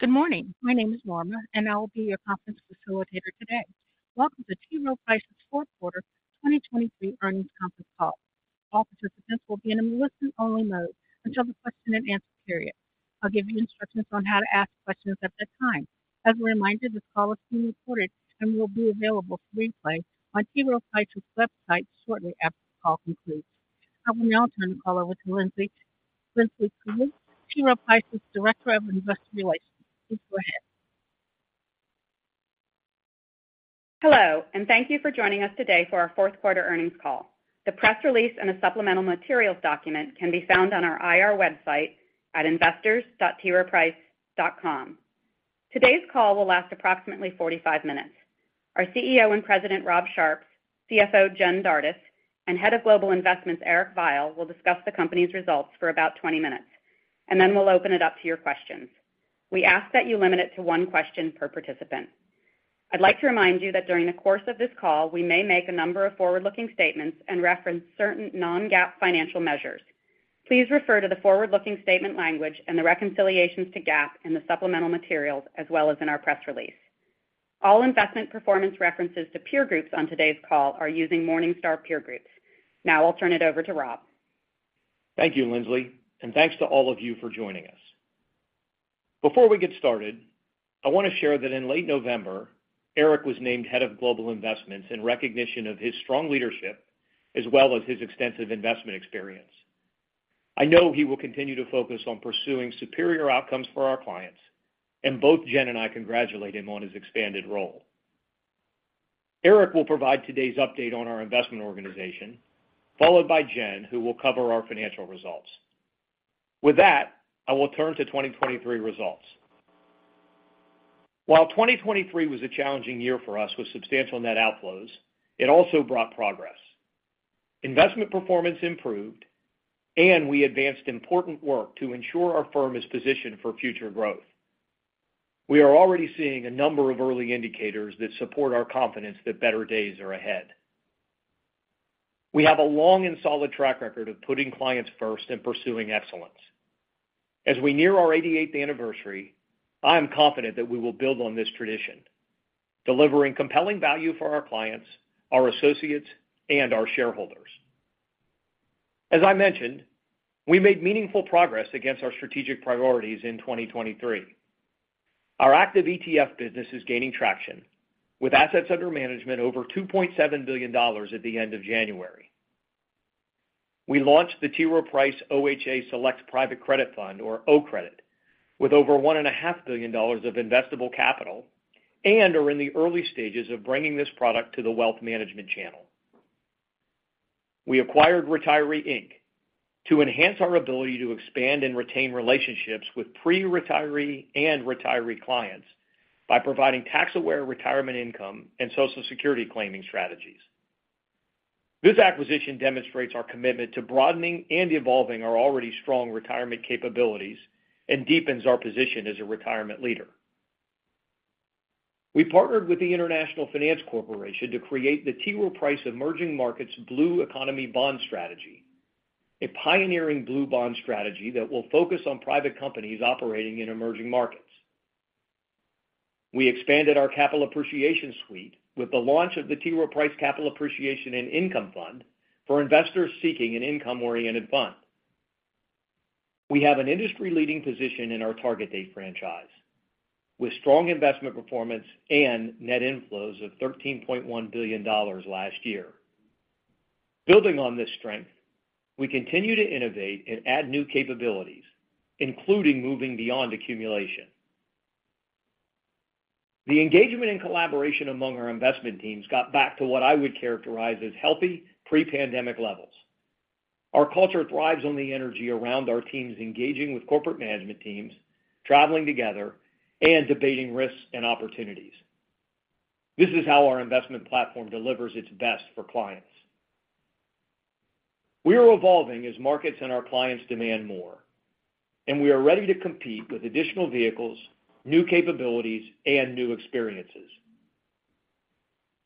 Good morning. My name is Norma, and I will be your conference facilitator today. Welcome to T. Rowe Price's Fourth Quarter 2023 Earnings Conference Call. All participants will be in a listen-only mode until the question and answer period. I'll give you instructions on how to ask questions at that time. As a reminder, this call is being recorded and will be available for replay on T. Rowe Price's website shortly after the call concludes. I will now turn the call over to Lindsay. Linsley Carruth, T. Rowe Price's Director of Investor Relations. Please go ahead. Hello, and thank you for joining us today for our fourth quarter earnings call. The press release and a supplemental materials document can be found on our IR website at investors.troweprice.com. Today's call will last approximately 45 minutes. Our CEO and President, Rob Sharps, CFO, Jen Dardis, and Head of Global Investments, Eric Veiel, will discuss the company's results for about 20 minutes, and then we'll open it up to your questions. We ask that you limit it to one question per participant. I'd like to remind you that during the course of this call, we may make a number of forward-looking statements and reference certain non-GAAP financial measures. Please refer to the forward-looking statement language and the reconciliations to GAAP in the supplemental materials, as well as in our press release. All investment performance references to peer groups on today's call are using Morningstar peer groups. Now I'll turn it over to Rob. Thank you, Lindsay, and thanks to all of you for joining us. Before we get started, I want to share that in late November, Eric was named Head of Global Investments in recognition of his strong leadership, as well as his extensive investment experience. I know he will continue to focus on pursuing superior outcomes for our clients, and both Jen and I congratulate him on his expanded role. Eric will provide today's update on our investment organization, followed by Jen, who will cover our financial results. With that, I will turn to 2023 results. While 2023 was a challenging year for us with substantial net outflows, it also brought progress. Investment performance improved, and we advanced important work to ensure our firm is positioned for future growth. We are already seeing a number of early indicators that support our confidence that better days are ahead. We have a long and solid track record of putting clients first and pursuing excellence. As we near our 88th anniversary, I am confident that we will build on this tradition, delivering compelling value for our clients, our associates, and our shareholders. As I mentioned, we made meaningful progress against our strategic priorities in 2023. Our active ETF business is gaining traction, with assets under management over $2.7 billion at the end of January. We launched the T. Rowe Price OHA Select Private Credit Fund, or O Credit, with over $1.5 billion of investable capital and are in the early stages of bringing this product to the wealth management channel. We acquired Retiree, Inc. to enhance our ability to expand and retain relationships with pre-retiree and retiree clients by providing tax-aware retirement income and Social Security claiming strategies. This acquisition demonstrates our commitment to broadening and evolving our already strong retirement capabilities and deepens our position as a retirement leader. We partnered with the International Finance Corporation to create the T. Rowe Price Emerging Markets Blue Economy Bond Strategy, a pioneering blue bond strategy that will focus on private companies operating in emerging markets. We expanded our capital appreciation suite with the launch of the T. Rowe Price Capital Appreciation and Income Fund for investors seeking an income-oriented fund. We have an industry-leading position in our target date franchise, with strong investment performance and net inflows of $13.1 billion last year. Building on this strength, we continue to innovate and add new capabilities, including moving beyond accumulation. The engagement and collaboration among our investment teams got back to what I would characterize as healthy, pre-pandemic levels. Our culture thrives on the energy around our teams, engaging with corporate management teams, traveling together, and debating risks and opportunities. This is how our investment platform delivers its best for clients. We are evolving as markets and our clients demand more, and we are ready to compete with additional vehicles, new capabilities, and new experiences.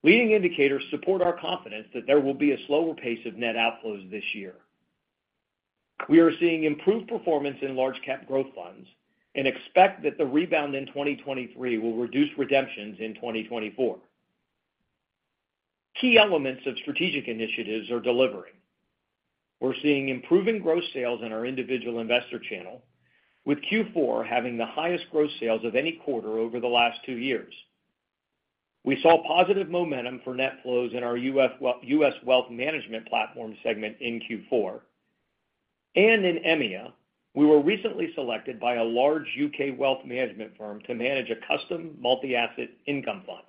Leading indicators support our confidence that there will be a slower pace of net outflows this year. We are seeing improved performance in large cap growth funds and expect that the rebound in 2023 will reduce redemptions in 2024. Key elements of strategic initiatives are delivering. We're seeing improving gross sales in our individual investor channel, with Q4 having the highest gross sales of any quarter over the last two years. We saw positive momentum for net flows in our U.S. Wealth Management Platform segment in Q4. In EMEA, we were recently selected by a large UK wealth management firm to manage a custom multi-asset income fund.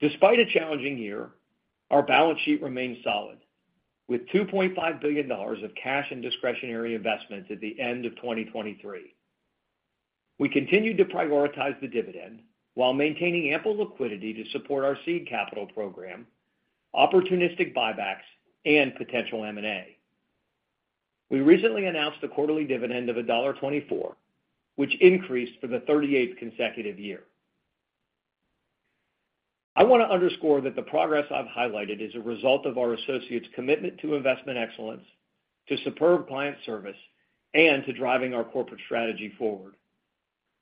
Despite a challenging year, our balance sheet remains solid, with $2.5 billion of cash and discretionary investments at the end of 2023. We continued to prioritize the dividend while maintaining ample liquidity to support our seed capital program, opportunistic buybacks, and potential M&A. We recently announced a quarterly dividend of $1.24, which increased for the thirty-eighth consecutive year.I want to underscore that the progress I've highlighted is a result of our associates' commitment to investment excellence, to superb client service, and to driving our corporate strategy forward.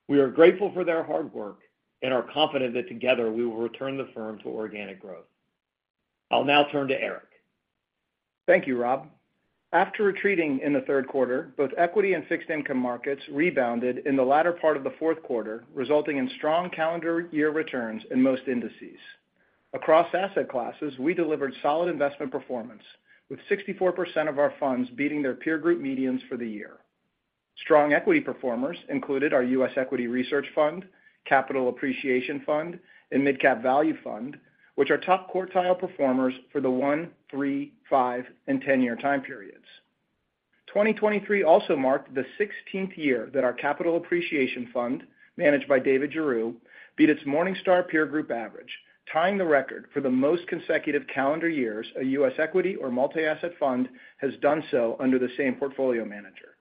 We are grateful for their hard work and are confident that together, we will return the firm to organic growth. I'll now turn to Eric. Thank you, Rob. After retreating in the third quarter, both equity and fixed income markets rebounded in the latter part of the fourth quarter, resulting in strong calendar year returns in most indices. Across asset classes, we delivered solid investment performance, with 64% of our funds beating their peer group medians for the year. Strong equity performers included our U.S. Equity Research Fund, Capital Appreciation Fund, and Midcap Value Fund, which are top-quartile performers for the 1-, 3-, 5-, and 10-year time periods. 2023 also marked the 16th year that our Capital Appreciation Fund, managed by David Giroux, beat its Morningstar peer group average, tying the record for the most consecutive calendar years a U.S. equity or multi-asset fund has done so under the same portfolio manager.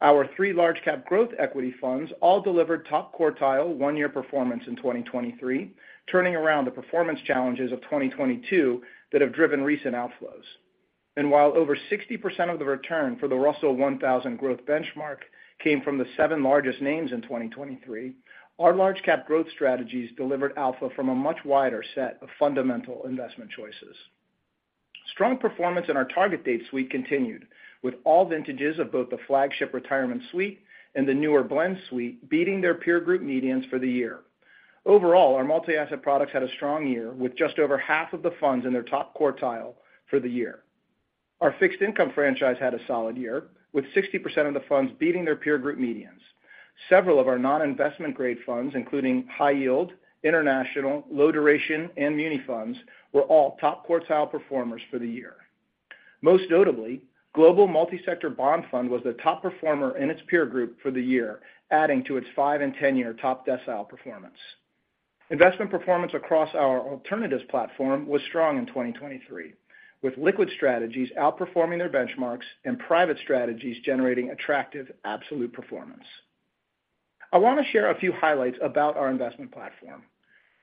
Our three large cap growth equity funds all delivered top-quartile one-year performance in 2023, turning around the performance challenges of 2022 that have driven recent outflows. And while over 60% of the return for the Russell 1000 Growth Benchmark came from the seven largest names in 2023, our large cap growth strategies delivered alpha from a much wider set of fundamental investment choices. Strong performance in our target date suite continued, with all vintages of both the flagship retirement suite and the newer blend suite beating their peer group medians for the year. Overall, our multi-asset products had a strong year, with just over half of the funds in their top quartile for the year. Our fixed income franchise had a solid year, with 60% of the funds beating their peer group medians. Several of our non-investment grade funds, including high yield, international, low duration, and muni funds, were all top-quartile performers for the year. Most notably, Global Multi-Sector Bond Fund was the top performer in its peer group for the year, adding to its 5- and 10-year top decile performance. Investment performance across our alternatives platform was strong in 2023, with liquid strategies outperforming their benchmarks and private strategies generating attractive absolute performance. I want to share a few highlights about our investment platform.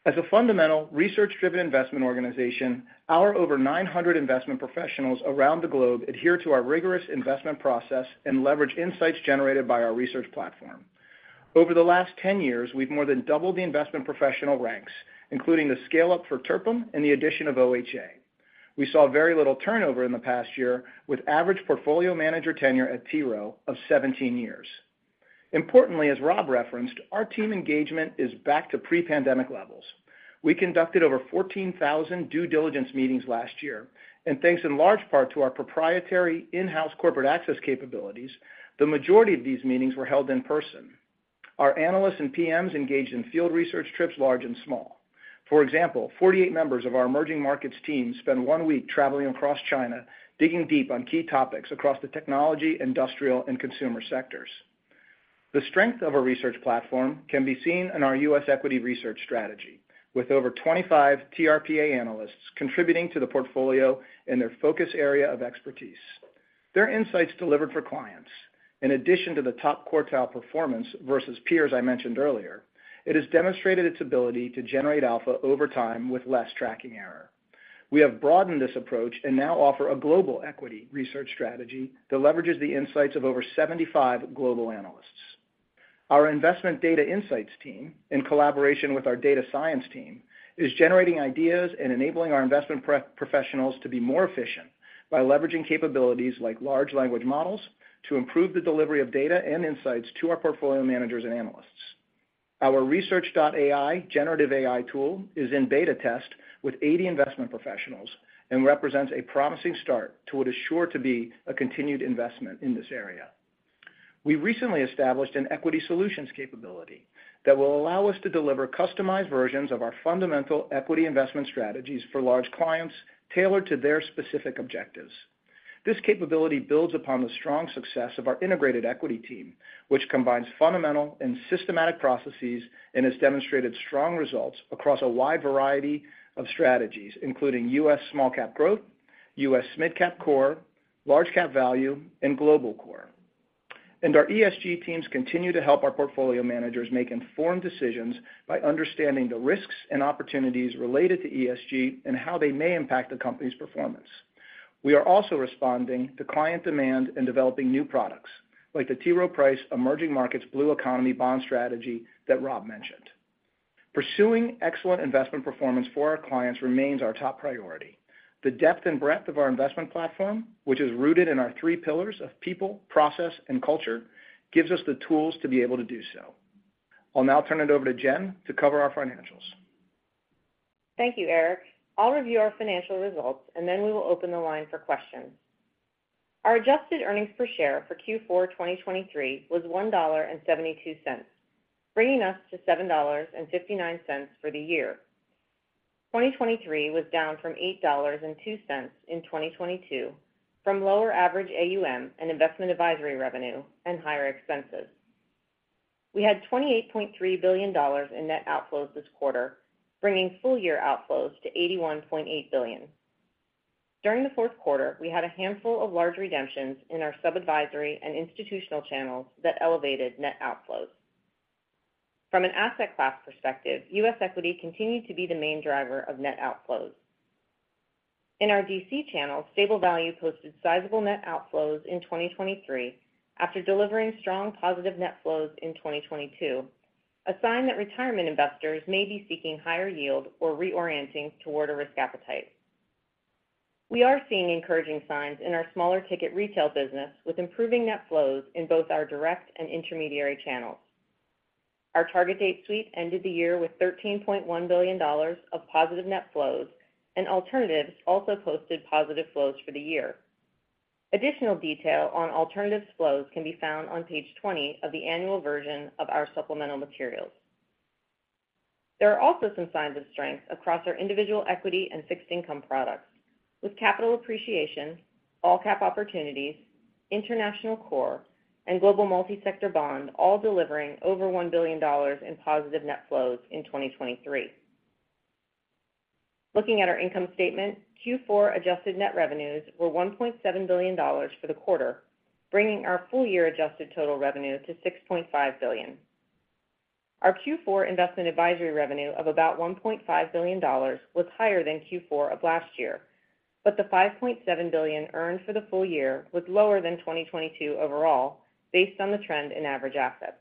As a fundamental, research-driven investment organization, our over 900 investment professionals around the globe adhere to our rigorous investment process and leverage insights generated by our research platform. Over the last 10 years, we've more than doubled the investment professional ranks, including the scale-up for TRPIM and the addition of OHA. We saw very little turnover in the past year, with average portfolio manager tenure at T. Rowe of 17 years. Importantly, as Rob referenced, our team engagement is back to pre-pandemic levels. We conducted over 14,000 due diligence meetings last year, and thanks in large part to our proprietary in-house corporate access capabilities, the majority of these meetings were held in person. Our analysts and PMs engaged in field research trips, large and small. For example, 48 members of our emerging markets team spent 1 week traveling across China, digging deep on key topics across the technology, industrial, and consumer sectors. The strength of our research platform can be seen in our U.S. equity research strategy, with over 25 TRPA analysts contributing to the portfolio in their focus area of expertise. Their insights delivered for clients. In addition to the top-quartile performance versus peers I mentioned earlier, it has demonstrated its ability to generate alpha over time with less tracking error. We have broadened this approach and now offer a global equity research strategy that leverages the insights of over 75 global analysts. Our investment data insights team, in collaboration with our data science team, is generating ideas and enabling our investment professionals to be more efficient by leveraging capabilities like large language models to improve the delivery of data and insights to our portfolio managers and analysts. Our Research.ai generative AI tool is in beta test with 80 investment professionals and represents a promising start to what is sure to be a continued investment in this area. We recently established an equity solutions capability that will allow us to deliver customized versions of our fundamental equity investment strategies for large clients, tailored to their specific objectives. This capability builds upon the strong success of our integrated equity team, which combines fundamental and systematic processes and has demonstrated strong results across a wide variety of strategies, including U.S. small cap growth, U.S. midcap core, large cap value, and global core. Our ESG teams continue to help our portfolio managers make informed decisions by understanding the risks and opportunities related to ESG and how they may impact the company's performance. We are also responding to client demand and developing new products, like the T. Rowe Price Emerging Markets Blue Economy Bond Strategy that Rob mentioned. Pursuing excellent investment performance for our clients remains our top priority. The depth and breadth of our investment platform, which is rooted in our three pillars of people, process, and culture, gives us the tools to be able to do so. I'll now turn it over to Jen to cover our financials. Thank you, Eric. I'll review our financial results, and then we will open the line for questions. Our adjusted earnings per share for Q4 2023 was $1.72, bringing us to $7.59 for the year. 2023 was down from $8.02 in 2022, from lower average AUM and investment advisory revenue and higher expenses. We had $28.3 billion in net outflows this quarter, bringing full-year outflows to $81.8 billion... During the fourth quarter, we had a handful of large redemptions in our sub-advisory and institutional channels that elevated net outflows. From an asset class perspective, U.S. equity continued to be the main driver of net outflows. In our DC channel, stable value posted sizable net outflows in 2023 after delivering strong positive net flows in 2022, a sign that retirement investors may be seeking higher yield or reorienting toward a risk appetite. We are seeing encouraging signs in our smaller ticket retail business, with improving net flows in both our direct and intermediary channels. Our target date suite ended the year with $13.1 billion of positive net flows, and alternatives also posted positive flows for the year. Additional detail on alternatives flows can be found on page 20 of the annual version of our supplemental materials. There are also some signs of strength across our individual equity and fixed income products, with Capital Appreciation, All Cap Opportunities, International Core, and Global Multi-Sector Bond all delivering over $1 billion in positive net flows in 2023. Looking at our income statement, Q4 adjusted net revenues were $1.7 billion for the quarter, bringing our full year adjusted total revenue to $6.5 billion. Our Q4 investment advisory revenue of about $1.5 billion was higher than Q4 of last year, but the $5.7 billion earned for the full year was lower than 2022 overall based on the trend in average assets.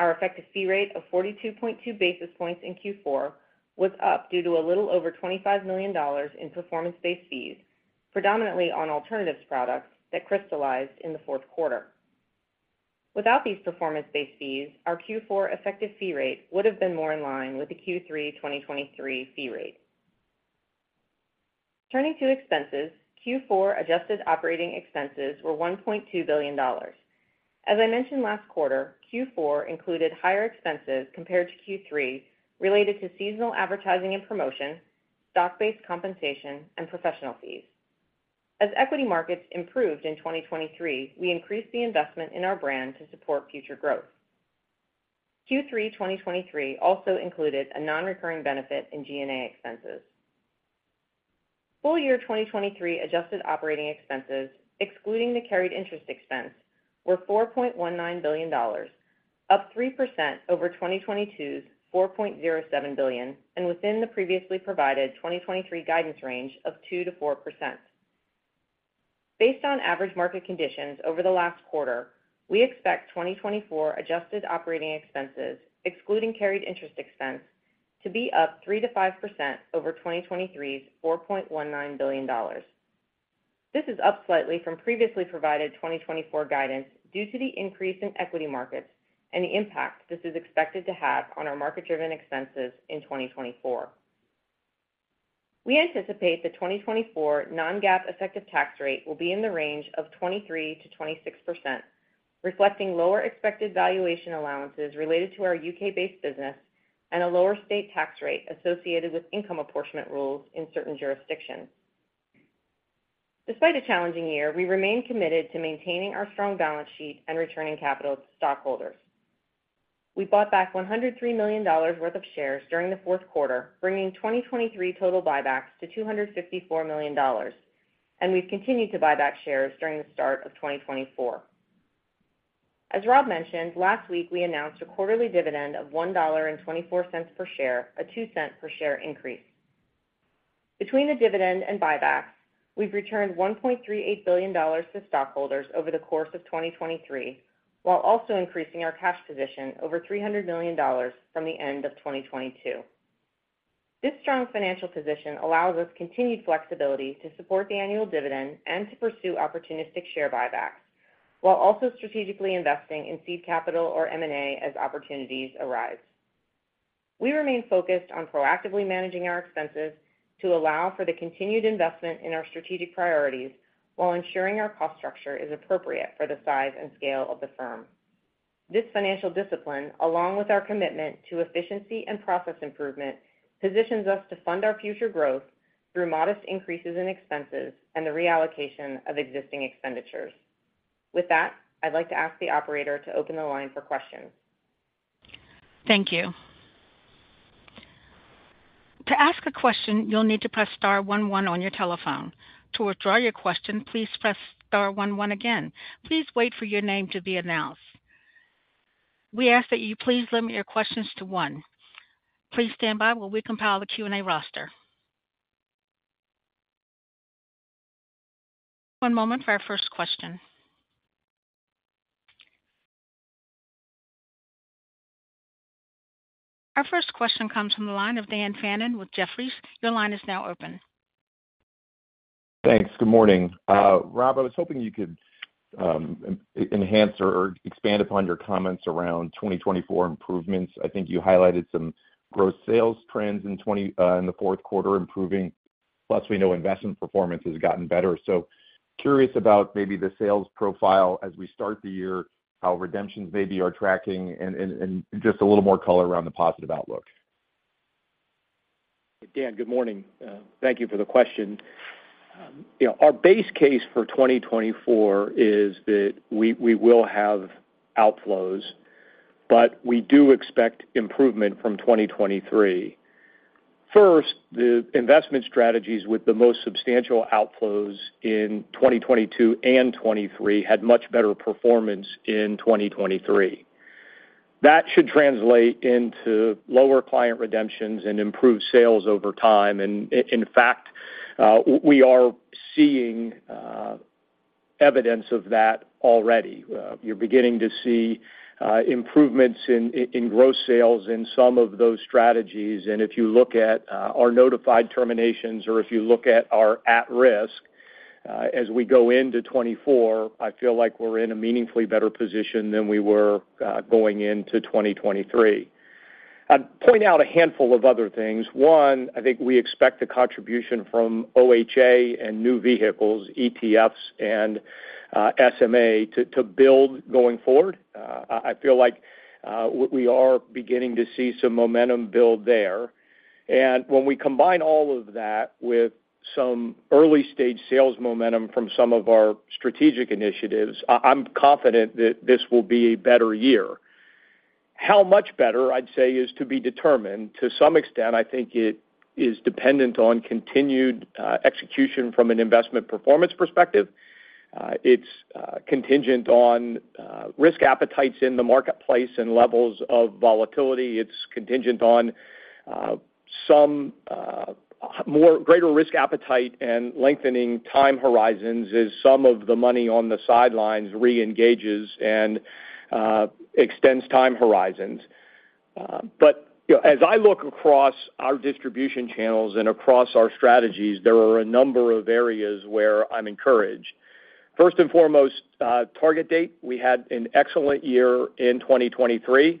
Our effective fee rate of 42.2 basis points in Q4 was up due to a little over $25 million in performance-based fees, predominantly on alternatives products that crystallized in the fourth quarter. Without these performance-based fees, our Q4 effective fee rate would have been more in line with the Q3 2023 fee rate. Turning to expenses, Q4 adjusted operating expenses were $1.2 billion. As I mentioned last quarter, Q4 included higher expenses compared to Q3, related to seasonal advertising and promotion, stock-based compensation, and professional fees. As equity markets improved in 2023, we increased the investment in our brand to support future growth. Q3 2023 also included a nonrecurring benefit in G&A expenses. Full year 2023 adjusted operating expenses, excluding the carried interest expense, were $4.19 billion, up 3% over 2022's $4.07 billion, and within the previously provided 2023 guidance range of 2%-4%. Based on average market conditions over the last quarter, we expect 2024 adjusted operating expenses, excluding carried interest expense, to be up 3%-5% over 2023's $4.19 billion. This is up slightly from previously provided 2024 guidance due to the increase in equity markets and the impact this is expected to have on our market-driven expenses in 2024. We anticipate the 2024 non-GAAP effective tax rate will be in the range of 23%-26%, reflecting lower expected valuation allowances related to our UK-based business and a lower state tax rate associated with income apportionment rules in certain jurisdictions. Despite a challenging year, we remain committed to maintaining our strong balance sheet and returning capital to stockholders. We bought back $103 million worth of shares during the fourth quarter, bringing 2023 total buybacks to $254 million, and we've continued to buy back shares during the start of 2024. As Rob mentioned, last week, we announced a quarterly dividend of $1.24 per share, a $0.02 per share increase. Between the dividend and buybacks, we've returned $1.38 billion to stockholders over the course of 2023, while also increasing our cash position over $300 million from the end of 2022. This strong financial position allows us continued flexibility to support the annual dividend and to pursue opportunistic share buybacks, while also strategically investing in seed capital or M&A as opportunities arise. We remain focused on proactively managing our expenses to allow for the continued investment in our strategic priorities while ensuring our cost structure is appropriate for the size and scale of the firm. This financial discipline, along with our commitment to efficiency and process improvement, positions us to fund our future growth through modest increases in expenses and the reallocation of existing expenditures. With that, I'd like to ask the operator to open the line for questions. Thank you. To ask a question, you'll need to press star one one on your telephone. To withdraw your question, please press star one one again. Please wait for your name to be announced. We ask that you please limit your questions to one. Please stand by while we compile the Q&A roster. One moment for our first question. Our first question comes from the line of Dan Fannon with Jefferies. Your line is now open. Thanks. Good morning. Rob, I was hoping you could enhance or expand upon your comments around 2024 improvements. I think you highlighted some gross sales trends in the fourth quarter improving, plus we know investment performance has gotten better. So curious about maybe the sales profile as we start the year, how redemptions maybe are tracking, and just a little more color around the positive outlook. Dan, good morning. Thank you for the question. You know, our base case for 2024 is that we will have outflows, but we do expect improvement from 2023. First, the investment strategies with the most substantial outflows in 2022 and 2023 had much better performance in 2023. That should translate into lower client redemptions and improved sales over time. And in fact, we are seeing evidence of that already. You're beginning to see improvements in gross sales in some of those strategies. And if you look at our notified terminations or if you look at our at-risk, as we go into 2024, I feel like we're in a meaningfully better position than we were going into 2023. I'd point out a handful of other things. One, I think we expect the contribution from OHA and new vehicles, ETFs, and SMA to build going forward. I feel like we are beginning to see some momentum build there. And when we combine all of that with some early-stage sales momentum from some of our strategic initiatives, I'm confident that this will be a better year. How much better, I'd say, is to be determined. To some extent, I think it is dependent on continued execution from an investment performance perspective. It's contingent on risk appetites in the marketplace and levels of volatility. It's contingent on some greater risk appetite and lengthening time horizons as some of the money on the sidelines reengages and extends time horizons. But, you know, as I look across our distribution channels and across our strategies, there are a number of areas where I'm encouraged. First and foremost, target date. We had an excellent year in 2023.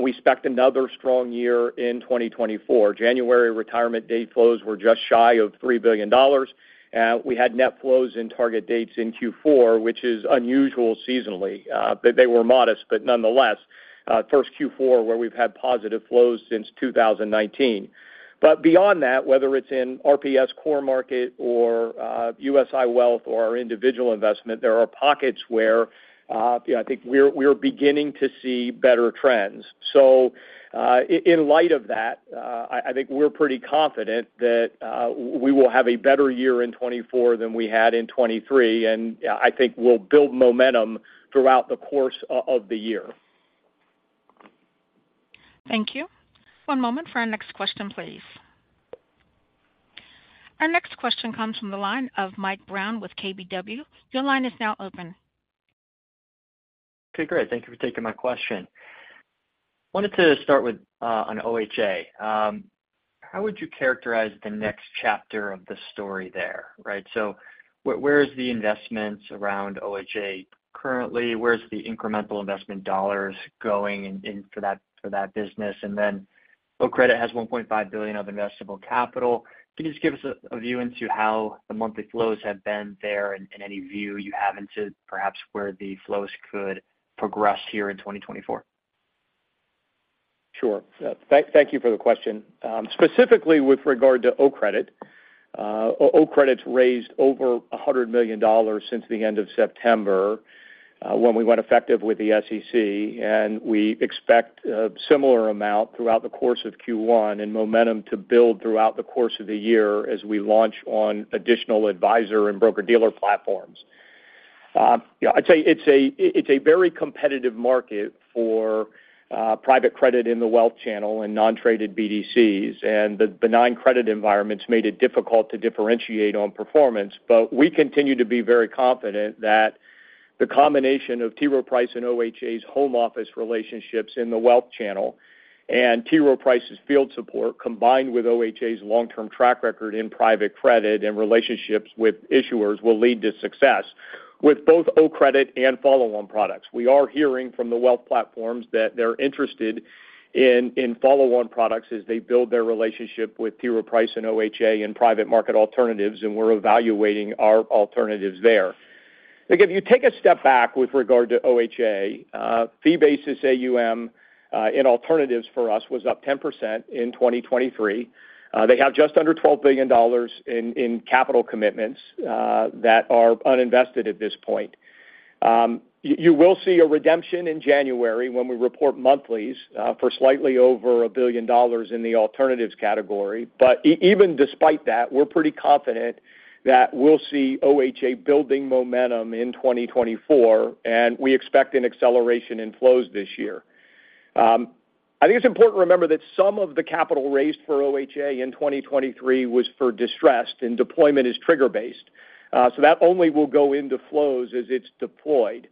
We expect another strong year in 2024. January retirement date flows were just shy of $3 billion. We had net flows in target dates in Q4, which is unusual seasonally. But they were modest, but nonetheless, first Q4 where we've had positive flows since 2019. But beyond that, whether it's in RPS core market or, USI wealth or our individual investment, there are pockets where, you know, I think we're, we're beginning to see better trends. So, in light of that, I think we're pretty confident that we will have a better year in 2024 than we had in 2023, and I think we'll build momentum throughout the course of the year. Thank you. One moment for our next question, please. Our next question comes from the line of Mike Brown with KBW. Your line is now open. Okay, great. Thank you for taking my question. Wanted to start with on OHA. How would you characterize the next chapter of the story there, right? So where is the investments around OHA currently? Where's the incremental investment dollars going in for that business? And then O Credit has $1.5 billion of investable capital. Can you just give us a view into how the monthly flows have been there and any view you have into perhaps where the flows could progress here in 2024? Sure. Thank you for the question. Specifically with regard to O Credit, O Credit's raised over $100 million since the end of September, when we went effective with the SEC, and we expect a similar amount throughout the course of Q1, and momentum to build throughout the course of the year as we launch on additional advisor and broker-dealer platforms. You know, I'd say it's a very competitive market for private credit in the wealth channel and non-traded BDCs, and the benign credit environments made it difficult to differentiate on performance. But we continue to be very confident that the combination of T. Rowe Price and OHA's home office relationships in the wealth channel and T. Rowe Price's field support, combined with OHA's long-term track record in private credit and relationships with issuers, will lead to success with both O Credit and follow-on products. We are hearing from the wealth platforms that they're interested in follow-on products as they build their relationship with T. Rowe Price and OHA in private market alternatives, and we're evaluating our alternatives there. Look, if you take a step back with regard to OHA, fee basis AUM in alternatives for us was up 10% in 2023. They have just under $12 billion in capital commitments that are uninvested at this point. You will see a redemption in January when we report monthlies, for slightly over $1 billion in the alternatives category. But even despite that, we're pretty confident that we'll see OHA building momentum in 2024, and we expect an acceleration in flows this year. I think it's important to remember that some of the capital raised for OHA in 2023 was for distressed, and deployment is trigger-based, so that only will go into flows as it's deployed.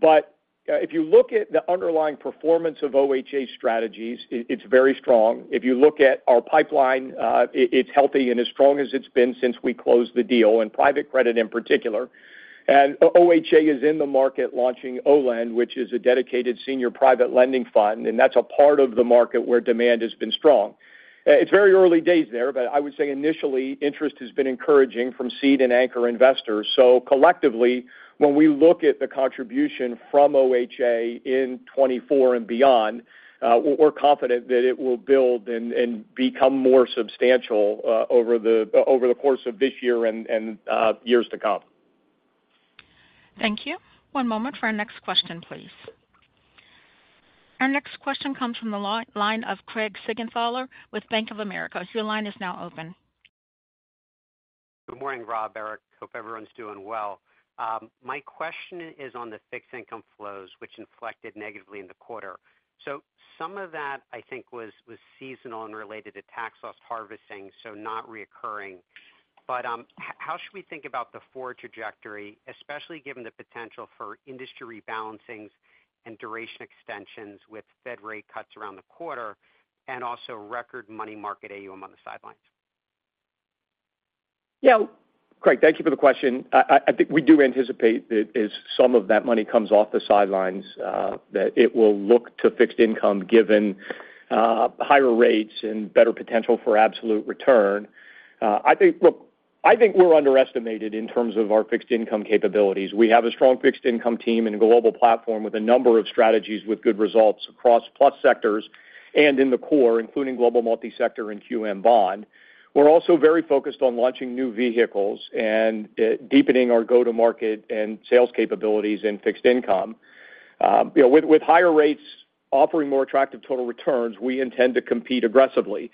But, if you look at the underlying performance of OHA strategies, it, it's very strong. If you look at our pipeline, it's healthy and as strong as it's been since we closed the deal, and private credit in particular. And OHA is in the market launching OLEND, which is a dedicated senior private lending fund, and that's a part of the market where demand has been strong. It's very early days there, but I would say initially, interest has been encouraging from seed and anchor investors. So collectively, when we look at the contribution from OHA in 2024 and beyond, we're confident that it will build and become more substantial over the course of this year and years to come. Thank you. One moment for our next question, please. Our next question comes from the line of Craig Siegenthaler with Bank of America. Your line is now open. Good morning, Rob, Eric. Hope everyone's doing well. My question is on the fixed income flows, which inflected negatively in the quarter. So some of that, I think, was seasonal and related to tax loss harvesting, so not recurring. But, how should we think about the forward trajectory, especially given the potential for industry rebalancings and duration extensions with Fed rate cuts around the quarter and also record money market AUM on the sidelines? Yeah, Craig, thank you for the question. I think we do anticipate that as some of that money comes off the sidelines, that it will look to fixed income, given higher rates and better potential for absolute return. I think. Look, I think we're underestimated in terms of our fixed income capabilities. We have a strong fixed income team and a global platform with a number of strategies with good results across plus sectors and in the core, including global multi-sector and QM Bond. We're also very focused on launching new vehicles and deepening our go-to-market and sales capabilities in fixed income. You know, with higher rates offering more attractive total returns, we intend to compete aggressively.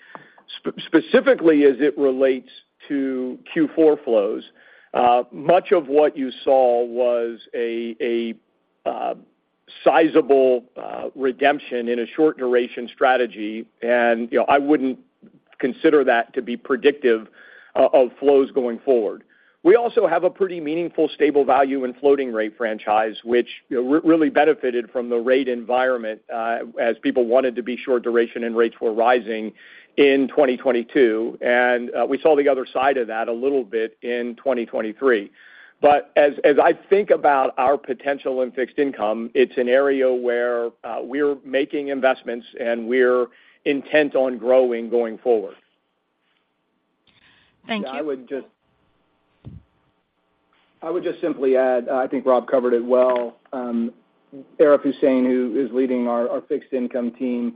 Specifically, as it relates to Q4 flows, much of what you saw was a sizable redemption in a short duration strategy, and, you know, I wouldn't consider that to be predictive of flows going forward. We also have a pretty meaningful stable value and floating rate franchise, which, you know, really benefited from the rate environment, as people wanted to be short duration and rates were rising in 2022, and we saw the other side of that a little bit in 2023. But as I think about our potential in fixed income, it's an area where we're making investments, and we're intent on growing going forward. Thank you. I would just simply add, I think Rob covered it well. Arif Husain, who is leading our fixed income team,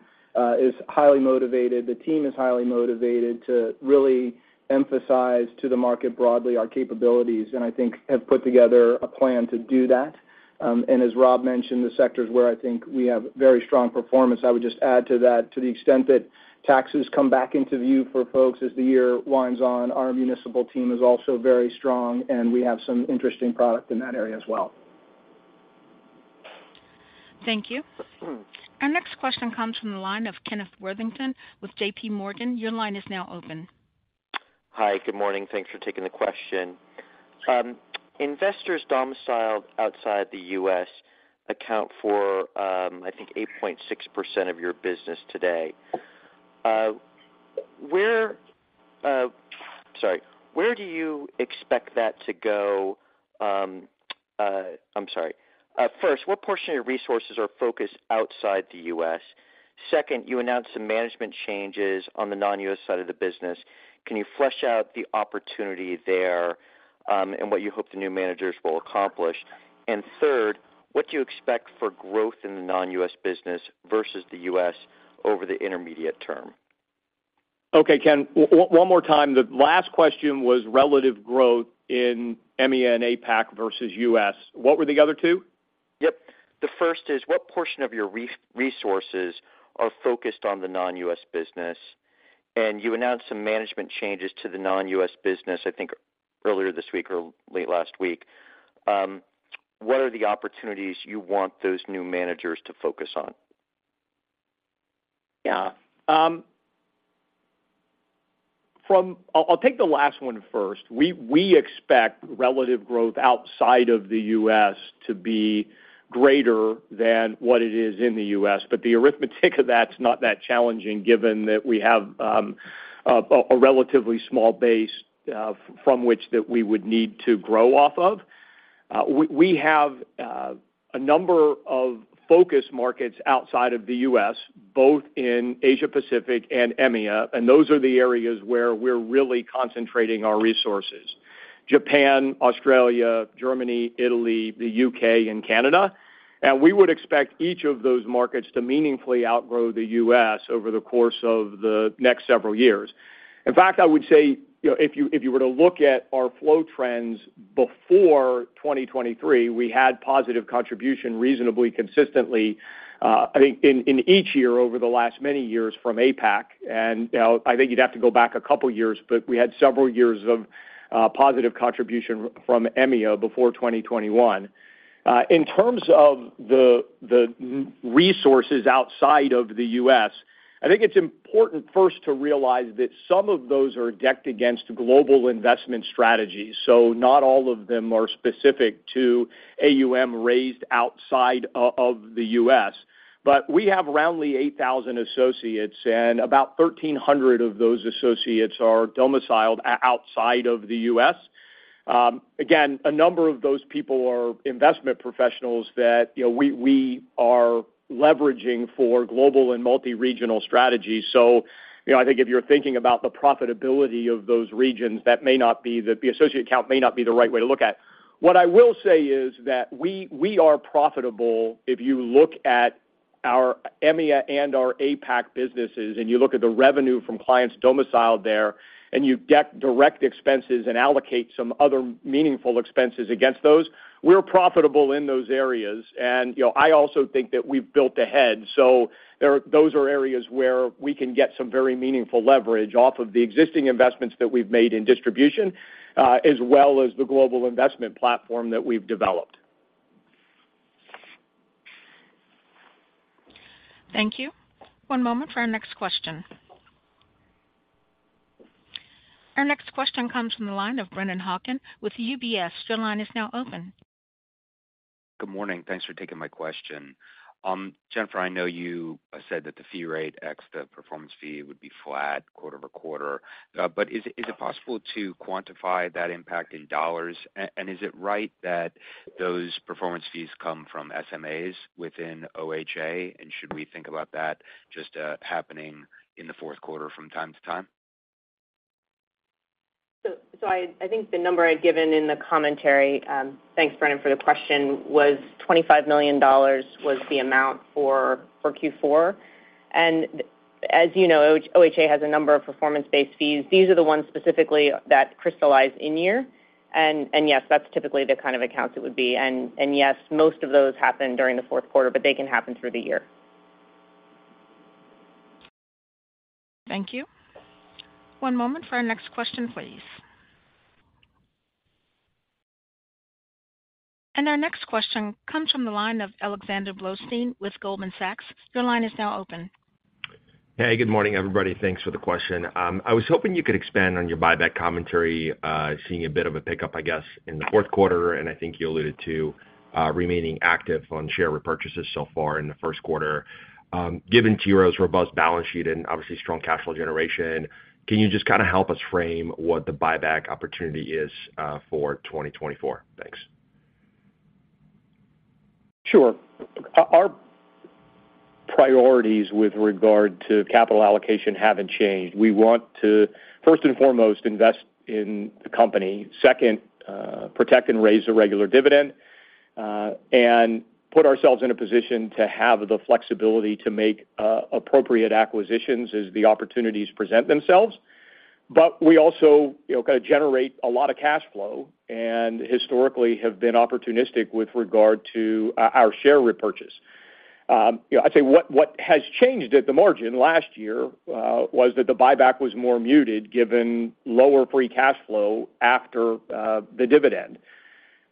is highly motivated. The team is highly motivated to really emphasize to the market broadly our capabilities, and I think have put together a plan to do that. And as Rob mentioned, the sectors where I think we have very strong performance, I would just add to that, to the extent that taxes come back into view for folks as the year winds on, our municipal team is also very strong, and we have some interesting product in that area as well. Thank you. Our next question comes from the line of Kenneth Worthington with JPMorgan. Your line is now open. Hi, good morning. Thanks for taking the question. Investors domiciled outside the U.S. account for, I think, 8.6% of your business today. Sorry, where do you expect that to go? I'm sorry. First, what portion of your resources are focused outside the U.S.? Second, you announced some management changes on the non-U.S. side of the business. Can you flesh out the opportunity there, and what you hope the new managers will accomplish? Third, what do you expect for growth in the non-U.S. business versus the U.S. over the intermediate term? Okay, Ken, one more time. The last question was relative growth in EMEA and APAC versus U.S.. What were the other two? Yep. The first is, what portion of your resources are focused on the non-U.S. business? And you announced some management changes to the non-U.S. business, I think, earlier this week or late last week. What are the opportunities you want those new managers to focus on? Yeah. I'll take the last one first. We expect relative growth outside of the U.S. to be greater than what it is in the U.S., but the arithmetic of that's not that challenging, given that we have a relatively small base from which we would need to grow off of. We have a number of focus markets outside of the U.S., both in Asia Pacific and EMEA, and those are the areas where we're really concentrating our resources. Japan, Australia, Germany, Italy, the U.K., and Canada. We would expect each of those markets to meaningfully outgrow the U.S. over the course of the next several years. In fact, I would say, you know, if you, if you were to look at our flow trends before 2023, we had positive contribution reasonably consistently, I think in, in each year over the last many years from APAC. And, you know, I think you'd have to go back a couple years, but we had several years of, positive contribution from EMEA before 2021. In terms of the resources outside of the U.S., I think it's important first to realize that some of those are decked against global investment strategies, so not all of them are specific to AUM raised outside of the U.S.. But we have around the 8,000 associates, and about 1,300 of those associates are domiciled outside of the U.S.. Again, a number of those people are investment professionals that, you know, we are leveraging for global and multi-regional strategies. So, you know, I think if you're thinking about the profitability of those regions, that may not be the associate count may not be the right way to look at. What I will say is that we are profitable if you look at our EMEA and our APAC businesses, and you look at the revenue from clients domiciled there, and you get direct expenses and allocate some other meaningful expenses against those, we're profitable in those areas. And, you know, I also think that we've built ahead. So there are those are areas where we can get some very meaningful leverage off of the existing investments that we've made in distribution, as well as the global investment platform that we've developed. Thank you. One moment for our next question. Our next question comes from the line of Brennan Hawken with UBS. Your line is now open. Good morning. Thanks for taking my question. Jennifer, I know you said that the fee rate ex the performance fee would be flat quarter-over-quarter, but is it possible to quantify that impact in dollars? And is it right that those performance fees come from SMAs within OHA? And should we think about that just happening in the fourth quarter from time to time? So I think the number I'd given in the commentary, thanks, Brendan, for the question, was $25 million was the amount for Q4. And as you know, OHA has a number of performance-based fees. These are the ones specifically that crystallize in year. And yes, that's typically the kind of accounts it would be. And yes, most of those happen during the fourth quarter, but they can happen through the year. Thank you. One moment for our next question, please. Our next question comes from the line of Alexander Blostein with Goldman Sachs. Your line is now open. Hey, good morning, everybody. Thanks for the question. I was hoping you could expand on your buyback commentary, seeing a bit of a pickup, I guess, in the fourth quarter, and I think you alluded to, remaining active on share repurchases so far in the first quarter. Given T. Rowe's robust balance sheet and obviously strong cash flow generation, can you just kind of help us frame what the buyback opportunity is, for 2024? Thanks. Sure. Our priorities with regard to capital allocation haven't changed. We want to, first and foremost, invest in the company. Second, protect and raise a regular dividend, and put ourselves in a position to have the flexibility to make appropriate acquisitions as the opportunities present themselves. But we also, you know, kind of generate a lot of cash flow and historically have been opportunistic with regard to our share repurchase. You know, I'd say what has changed at the margin last year was that the buyback was more muted given lower free cash flow after the dividend.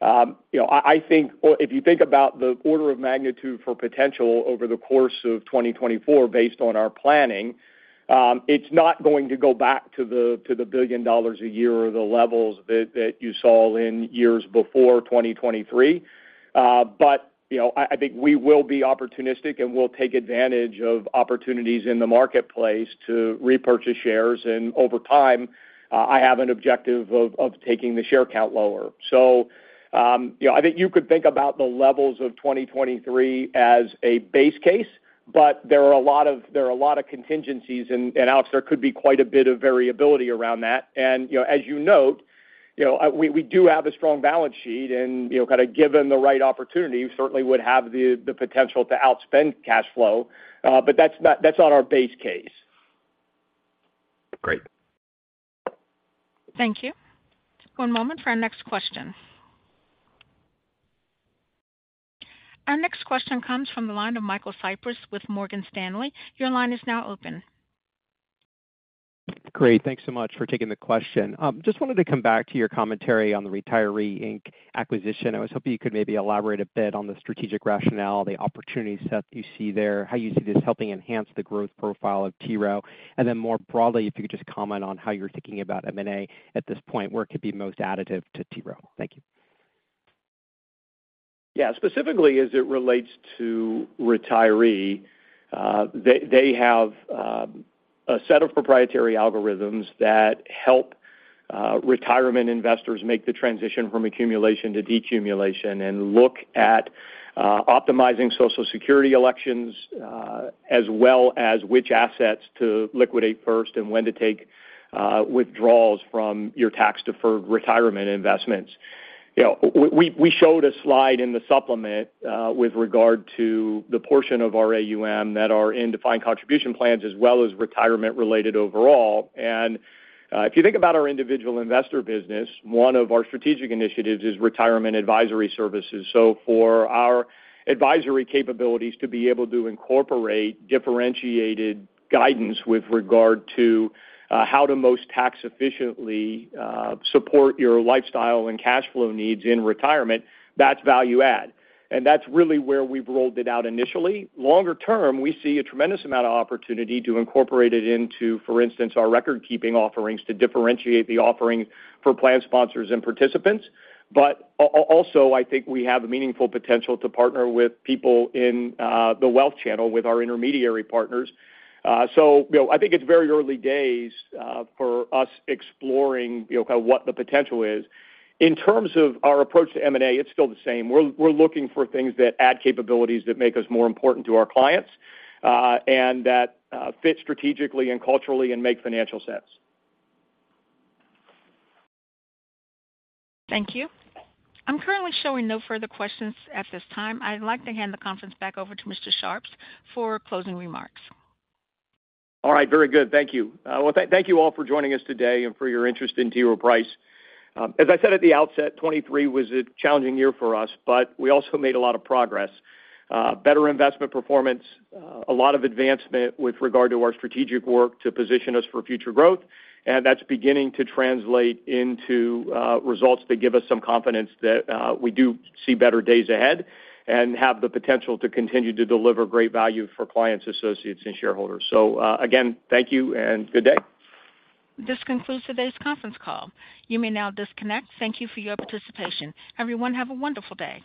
You know, I think or if you think about the order of magnitude for potential over the course of 2024, based on our planning, it's not going to go back to the $1 billion a year or the levels that you saw in years before 2023. But, you know, I think we will be opportunistic, and we'll take advantage of opportunities in the marketplace to repurchase shares. And over time, I have an objective of taking the share count lower. So, you know, I think you could think about the levels of 2023 as a base case, but there are a lot of contingencies. And Alex, there could be quite a bit of variability around that. You know, as you note, you know, we do have a strong balance sheet, and, you know, kind of given the right opportunity, we certainly would have the potential to outspend cash flow. But that's not our base case. Great. Thank you. One moment for our next question. Our next question comes from the line of Michael Cyprys with Morgan Stanley. Your line is now open. Great. Thanks so much for taking the question. Just wanted to come back to your commentary on the Retiree, Inc. acquisition. I was hoping you could maybe elaborate a bit on the strategic rationale, the opportunities that you see there, how you see this helping enhance the growth profile of T. Rowe. Then more broadly, if you could just comment on how you're thinking about M&A at this point, where it could be most additive to T. Rowe. Thank you. Yeah, specifically as it relates to Retiree, they have a set of proprietary algorithms that help retirement investors make the transition from accumulation to decumulation and look at optimizing Social Security elections, as well as which assets to liquidate first and when to take withdrawals from your tax-deferred retirement investments. You know, we showed a slide in the supplement with regard to the portion of our AUM that are in defined contribution plans, as well as retirement-related overall. And if you think about our individual investor business, one of our strategic initiatives is retirement advisory services. So for our advisory capabilities to be able to incorporate differentiated guidance with regard to how to most tax efficiently support your lifestyle and cash flow needs in retirement, that's value add. And that's really where we've rolled it out initially. Longer term, we see a tremendous amount of opportunity to incorporate it into, for instance, our record-keeping offerings, to differentiate the offering for plan sponsors and participants. But also, I think we have a meaningful potential to partner with people in the wealth channel, with our intermediary partners. So, you know, I think it's very early days for us exploring, you know, kind of what the potential is. In terms of our approach to M&A, it's still the same. We're looking for things that add capabilities that make us more important to our clients, and that fit strategically and culturally and make financial sense. Thank you. I'm currently showing no further questions at this time. I'd like to hand the conference back over to Mr. Sharps for closing remarks. All right. Very good. Thank you. Well, thank you all for joining us today and for your interest in T. Rowe Price. As I said at the outset, 2023 was a challenging year for us, but we also made a lot of progress. Better investment performance, a lot of advancement with regard to our strategic work to position us for future growth, and that's beginning to translate into results that give us some confidence that we do see better days ahead and have the potential to continue to deliver great value for clients, associates, and shareholders. So, again, thank you and good day. This concludes today's conference call. You may now disconnect. Thank you for your participation. Everyone, have a wonderful day.